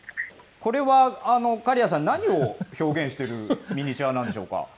これはカリアさん、何を表現してるミニチュアなんでしょうか？